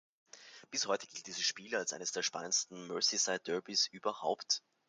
Bis heute gilt dieses Spiel als eines der spannendsten Merseyside Derbys überhaupt.